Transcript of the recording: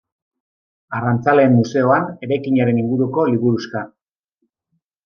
Arrantzaleen museoan eraikinaren inguruko liburuxka.